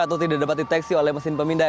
atau tidak dapat deteksi oleh mesin pemindai